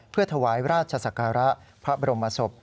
เพื่อถวายราชศักระพระบรมศพ